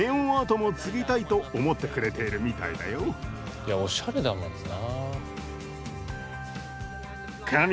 いやおしゃれだもんな。